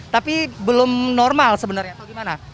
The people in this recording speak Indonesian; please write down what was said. tapi belum normal sebenarnya atau gimana